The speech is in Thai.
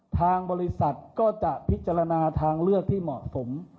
ทางบริษัทก็จะพิจารณาทางเลือกที่เหมาะสม